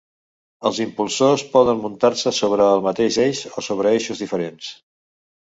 Els impulsors poden muntar-se sobre el mateix eix, o en eixos diferents.